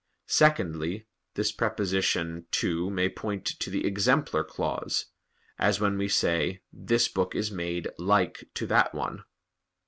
Secondly, this preposition 'to' may point to the exemplar cause, as when we say, "This book is made (like) to that one."